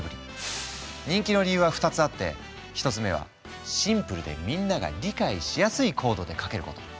人気の理由は２つあって１つ目はシンプルでみんなが理解しやすいコードで書けること。